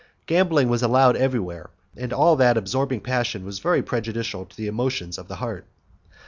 Gambling was allowed everywhere, and that all absorbing passion was very prejudicial to the emotions of the heart.